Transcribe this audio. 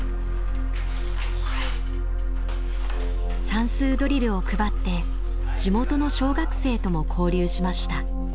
算数ドリルを配って地元の小学生とも交流しました。